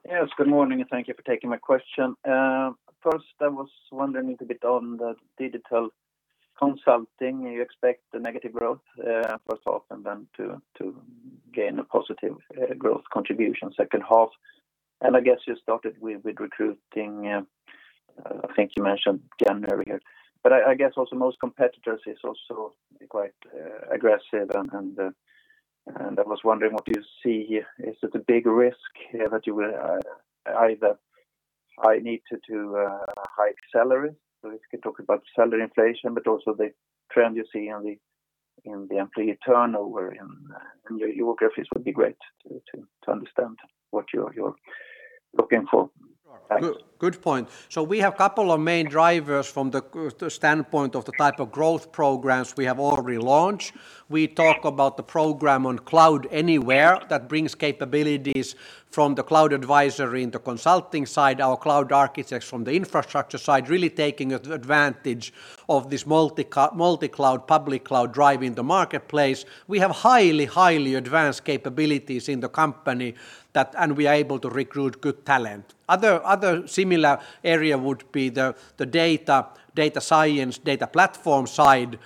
Yes, good morning. Thank you for taking my question. First I was wondering a little bit on the Digital Consulting. You expect the negative growth, first off, and then to gain a positive growth contribution second half. I guess you started with recruiting, I think you mentioned January here. I guess also most competitors is also quite aggressive, and I was wondering what you see here. Is it a big risk that you will either need to hike salaries? If you could talk about salary inflation, but also the trend you see in the employee turnover in your geographies would be great to understand what your-Looking for. Thanks. Good point. We have couple of main drivers from the standpoint of the type of growth programs we have already launched. We talk about the program on Cloud, Anywhere that brings capabilities from the cloud advisory in the consulting side, our cloud architects from the infrastructure side, really taking advantage of this multi-cloud, public cloud drive in the marketplace. We have highly advanced capabilities in the company, and we are able to recruit good talent. Other similar area would be the data science, data platform side,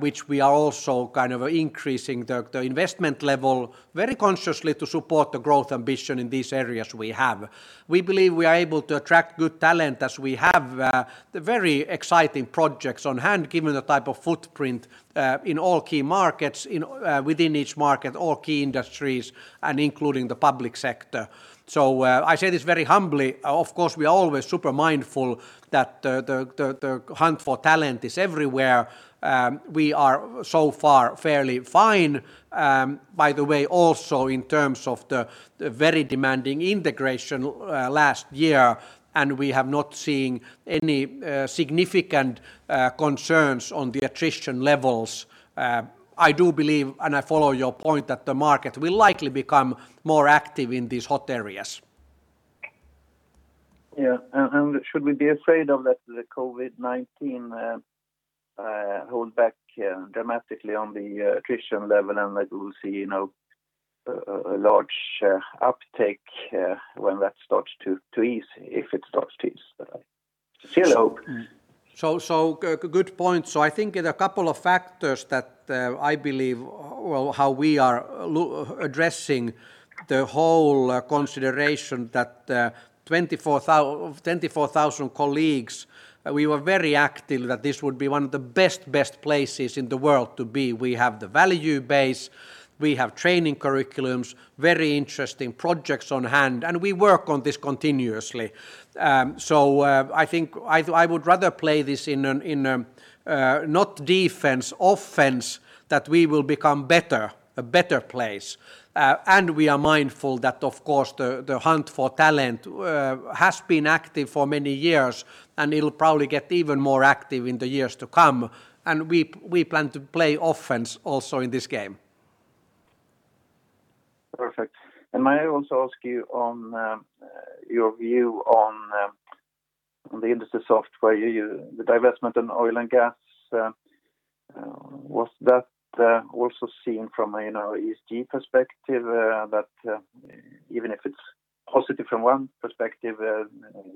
which we are also increasing the investment level very consciously to support the growth ambition in these areas we have. We believe we are able to attract good talent as we have the very exciting projects on hand, given the type of footprint in all key markets, within each market, all key industries, and including the public sector. I say this very humbly. Of course, we are always super mindful that the hunt for talent is everywhere. We are so far fairly fine. By the way, also in terms of the very demanding integration last year, and we have not seen any significant concerns on the attrition levels. I do believe, and I follow your point, that the market will likely become more active in these hot areas. Yeah. Should we be afraid of that the COVID-19 hold back dramatically on the attrition level and that we will see a large uptake when that starts to ease, if it starts to ease. Still hope. Good point. I think there are a couple of factors that I believe how we are addressing the whole consideration that 24,000 colleagues, we were very active that this would be one of the best places in the world to be. We have the value base, we have training curriculums, very interesting projects on hand, and we work on this continuously. I think I would rather play this in not defense, offense, that we will become a better place. We are mindful that, of course, the hunt for talent has been active for many years, and it'll probably get even more active in the years to come. We plan to play offense also in this game. Perfect. May I also ask you on your view on the industry software, the divestment on oil and gas? Was that also seen from an ESG perspective that even if it's positive from one perspective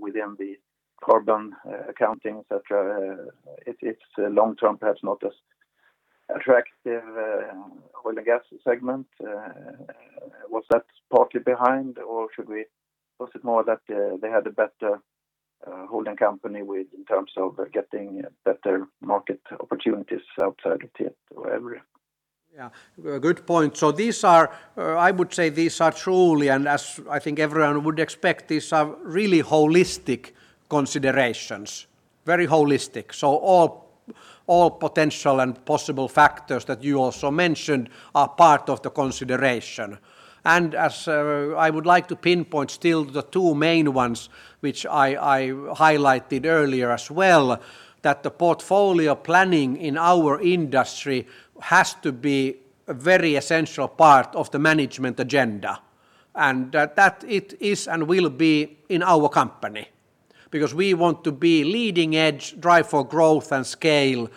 within the carbon accounting, et cetera, it's long-term perhaps not as attractive oil and gas segment? Was that partly behind, or was it more that they had a better holding company in terms of getting better market opportunities outside of TietoEVRY? Yeah. Good point. I would say these are truly, and as I think everyone would expect, these are really holistic considerations. Very holistic. All potential and possible factors that you also mentioned are part of the consideration. As I would like to pinpoint still the two main ones, which I highlighted earlier as well, that the portfolio planning in our industry has to be a very essential part of the management agenda. That it is and will be in our company. Because we want to be leading edge, drive for growth and scale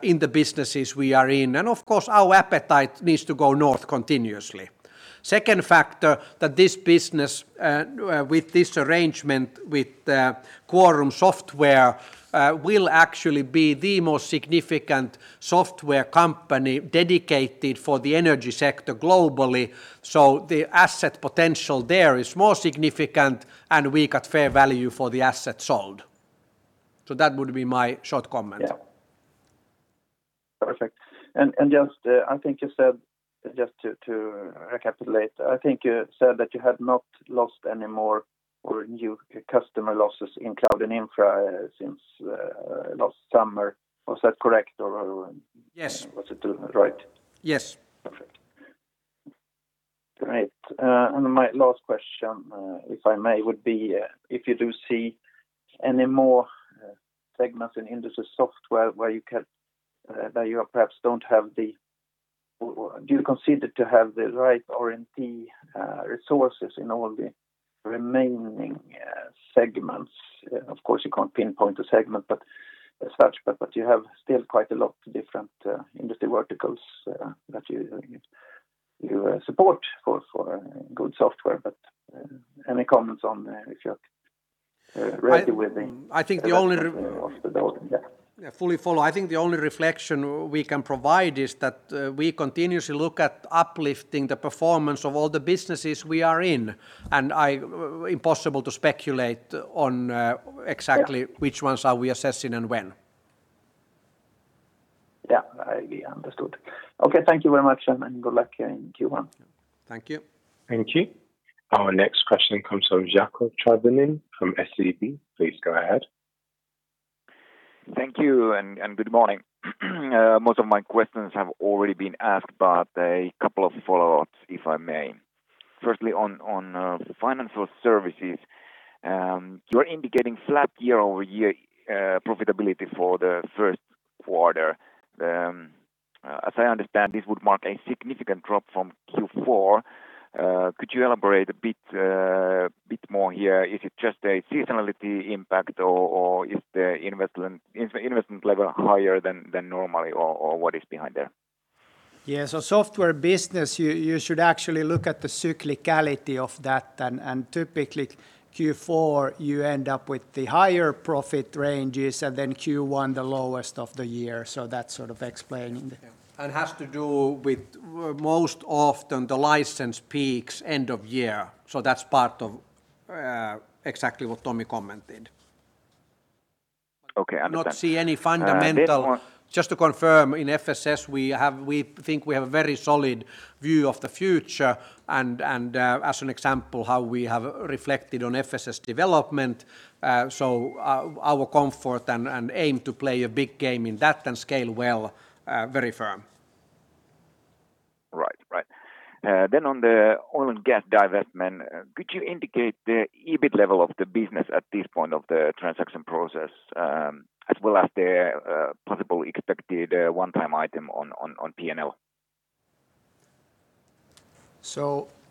in the businesses we are in. Of course, our appetite needs to go north continuously. Second factor that this business with this arrangement with Quorum Software will actually be the most significant software company dedicated for the energy sector globally. The asset potential there is more significant, and we got fair value for the asset sold. That would be my short comment. Yeah. Perfect. Just to recapitulate, I think you said that you had not lost any more or new customer losses in cloud and infra since last summer. Was that correct? Yes was it right? Yes. Perfect. Great. My last question, if I may, would be if you do see any more segments in industry software that you perhaps don't have the. Do you consider to have the right R&D resources in all the remaining segments? Of course, you can't pinpoint a segment as such. You have still quite a lot different industry verticals that you support for good software. Any comments on if you're ready with the-? I think the only Yeah. Yeah, fully follow. I think the only reflection we can provide is that we continuously look at uplifting the performance of all the businesses we are in, and impossible to speculate on exactly which ones are we assessing and when. Yeah. Understood. Okay. Thank you very much, and good luck in Q1. Thank you. Thank you. Our next question comes from Jaakko Tyrväinen from SEB. Please go ahead. Thank you. Good morning. Most of my questions have already been asked. A couple of follow-ups if I may. Firstly, on financial services, you're indicating flat year-over-year profitability for the first quarter. As I understand, this would mark a significant drop from Q4. Could you elaborate a bit more here? Is it just a seasonality impact, or is the investment level higher than normally, or what is behind there? Yeah. Software business, you should actually look at the cyclicality of that. Typically Q4, you end up with the higher profit ranges and then Q1 the lowest of the year. Yeah. Has to do with most often the license peaks end of year. That's part of exactly what Tomi commented. Okay. Understood. Not see any fundamental- This. Just to confirm, in FSS, we think we have a very solid view of the future and as an example, how we have reflected on FSS development. Our comfort and aim to play a big game in that and scale well, very firm. Right. On the oil and gas divestment, could you indicate the EBIT level of the business at this point of the transaction process, as well as the possible expected one-time item on P&L?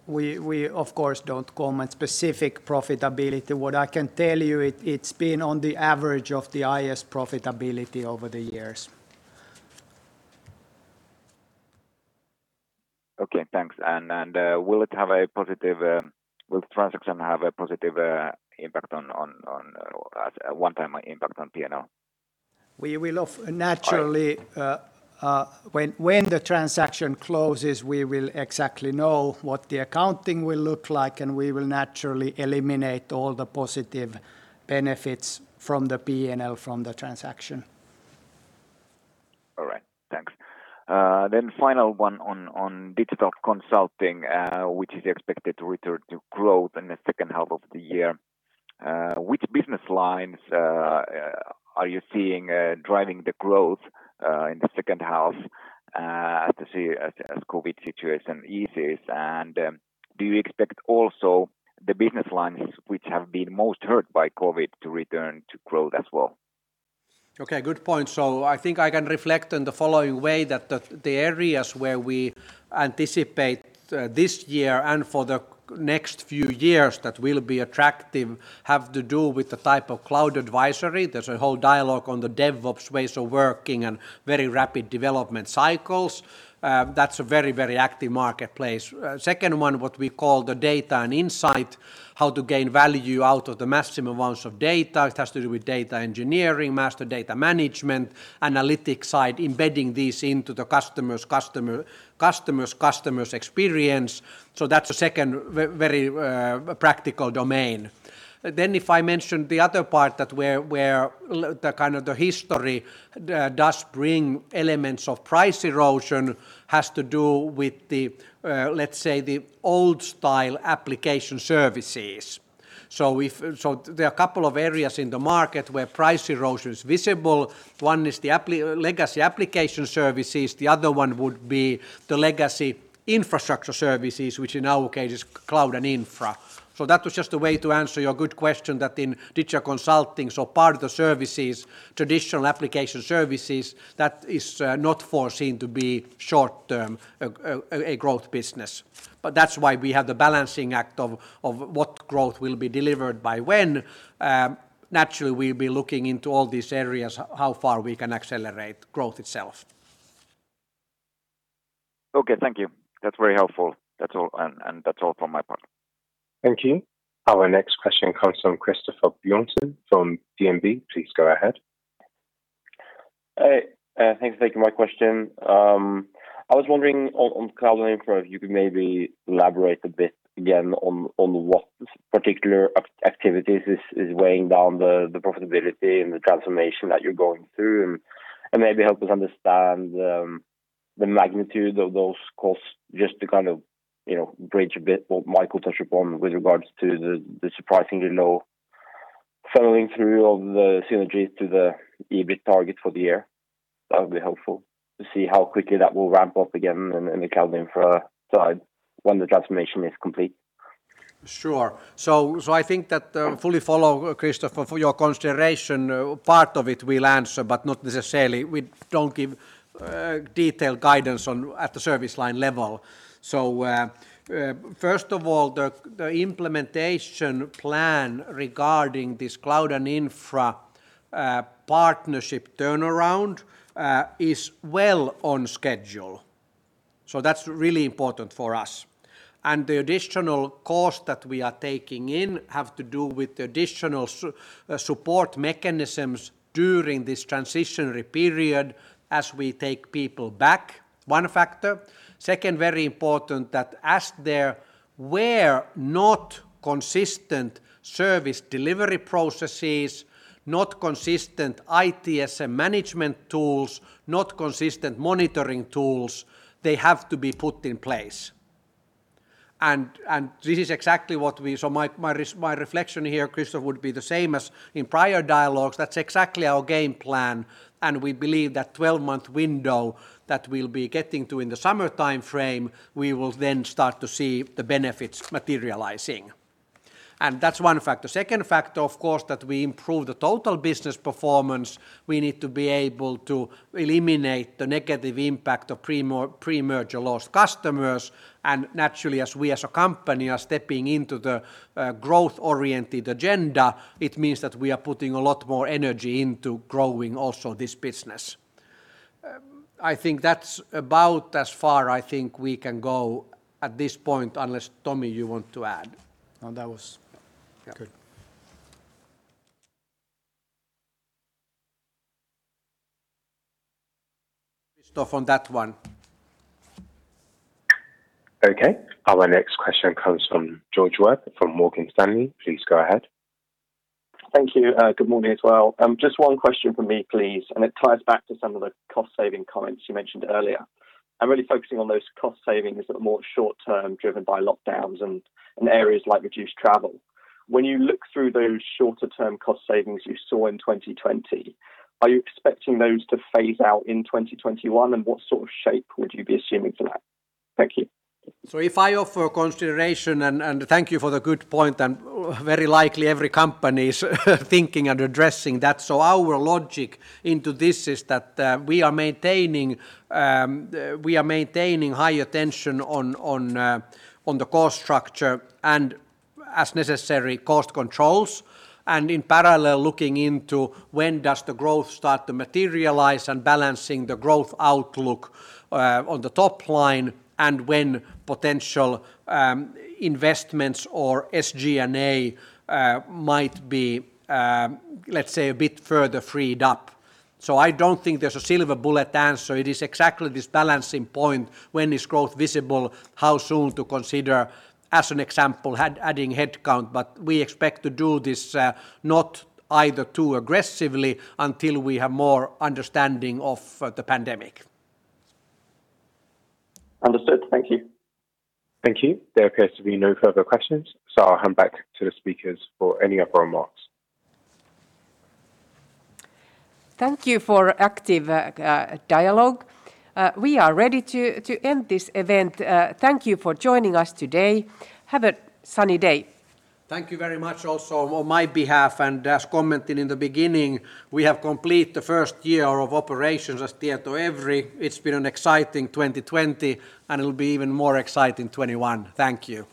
We, of course, don't comment specific profitability. What I can tell you, it's been on the average of the highest profitability over the years. Okay, thanks. Will the transaction have a positive one-time impact on P&L? When the transaction closes, we will exactly know what the accounting will look like, and we will naturally eliminate all the positive benefits from the P&L from the transaction. All right. Thanks. Final one on Digital Consulting, which is expected to return to growth in the second half of the year. Which business lines are you seeing driving the growth in the second half as COVID-19 situation eases? Do you expect also the business lines which have been most hurt by COVID-19 to return to growth as well? Okay, good point. I think I can reflect in the following way that the areas where we anticipate this year and for the next few years that will be attractive have to do with the type of cloud advisory. There's a whole dialogue on the DevOps ways of working and very rapid development cycles. That's a very active marketplace. Second one, what we call the data and insight, how to gain value out of the maximum amounts of data. It has to do with data engineering, master data management, analytics side, embedding these into the customer's experience. That's a second very practical domain. If I mention the other part that where the kind of the history does bring elements of price erosion has to do with the, let's say, the old style application services. There are a couple of areas in the market where price erosion is visible. One is the legacy application services. The other one would be the legacy infrastructure services, which in our case is Cloud and Infra. That was just a way to answer your good question that in Digital Consulting, so part of the services, traditional application services, that is not foreseen to be short-term a growth business. That's why we have the balancing act of what growth will be delivered by when. Naturally, we'll be looking into all these areas, how far we can accelerate growth itself. Okay, thank you. That's very helpful. That's all from my part. Thank you. Our next question comes from Christoffer Bjørnsen from DNB. Please go ahead. Hey, thanks for taking my question. I was wondering on cloud and infra, if you could maybe elaborate a bit again on what particular activities is weighing down the profitability and the transformation that you're going through, and maybe help us understand the magnitude of those costs just to kind of bridge a bit what Michael touched upon with regards to the surprisingly low following through of the synergies to the EBIT target for the year. That would be helpful to see how quickly that will ramp up again in the cloud infra side when the transformation is complete. Sure. I think that fully follow, Christoffer, for your consideration. Part of it we'll answer, but not necessarily. We don't give detailed guidance at the service line level. First of all, the implementation plan regarding this cloud and infra partnership turnaround is well on schedule. That's really important for us. The additional cost that we are taking in have to do with the additional support mechanisms during this transitionary period as we take people back, one factor. Second, very important that as there were not consistent service delivery processes, not consistent ITSM management tools, not consistent monitoring tools, they have to be put in place. My reflection here, Christoffer, would be the same as in prior dialogues. That's exactly our game plan. We believe that 12-month window that we'll be getting to in the summer timeframe, we will then start to see the benefits materializing. That's one factor. Second factor, of course, that we improve the total business performance. We need to be able to eliminate the negative impact of pre-merger lost customers. Naturally, as we as a company are stepping into the growth-oriented agenda, it means that we are putting a lot more energy into growing also this business. I think that's about as far I think we can go at this point, unless Tomi, you want to add. No, that was good. Christoffer on that one. Okay. Our next question comes from George Webb from Morgan Stanley. Please go ahead. Thank you. Good morning as well. Just one question from me, please, and it ties back to some of the cost-saving comments you mentioned earlier. I'm really focusing on those cost savings that are more short term, driven by lockdowns and areas like reduced travel. When you look through those shorter-term cost savings you saw in 2020, are you expecting those to phase out in 2021? What sort of shape would you be assuming for that? Thank you. If I offer consideration, and thank you for the good point, and very likely EVRY company is thinking and addressing that. Our logic into this is that we are maintaining high attention on the cost structure and as necessary, cost controls. In parallel, looking into when does the growth start to materialize and balancing the growth outlook on the top line and when potential investments or SG&A might be, let's say, a bit further freed up. I don't think there's a silver bullet answer. It is exactly this balancing point. When is growth visible? How soon to consider, as an example, adding headcount? We expect to do this not either too aggressively until we have more understanding of the pandemic. Understood. Thank you. Thank you. There appears to be no further questions, so I'll hand back to the speakers for any other remarks. Thank you for active dialogue. We are ready to end this event. Thank you for joining us today. Have a sunny day. Thank you very much also on my behalf, and as commented in the beginning, we have completed the first year of operations as TietoEVRY. It's been an exciting 2020, and it'll be even more exciting 2021. Thank you.